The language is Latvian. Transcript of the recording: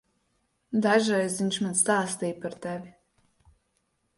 Dažreiz viņš man stāstīja par tevi.